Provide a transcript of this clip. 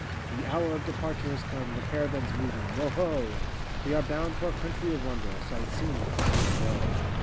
The hour of departure is come, The caravan 's moving. Woh ho! We are bound for a country of wonder. Sight seeing with us, who will go?